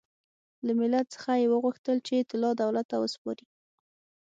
له ملت څخه یې وغوښتل چې طلا دولت ته وسپاري.